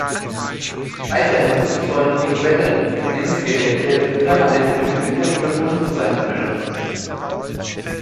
Weiterhin sollen die verwendeten Endgeräte permanent mit dem Internet verbunden sein können.